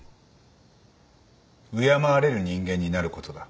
敬われる人間になることだ。